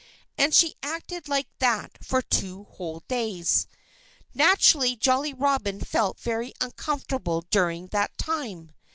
And she acted like that for two whole days. Naturally, Jolly Robin felt very uncomfortable during that time.